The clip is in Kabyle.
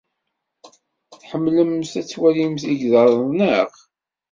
Tḥemmlemt ad twalimt igḍaḍ, naɣ?